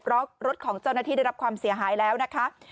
เพราะรถของเจ้าหน้าที่ได้รับความเสียหายแล้วนะคะ